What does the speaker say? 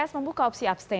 pks membuka opsi akibatnya